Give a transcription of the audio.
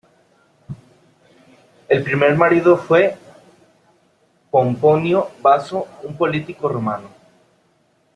El primer marido fue Pomponio Baso, un político romano.